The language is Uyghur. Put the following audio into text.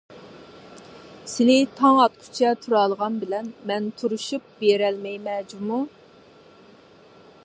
سىلى تاڭ ئاتقۇچە تۇرالىغان بىلەن مەن تۇرۇشۇپ بېرەلمەيمەن جۇمۇ!